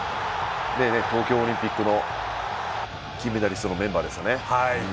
東京オリンピックの金メダリストのメンバーですよね。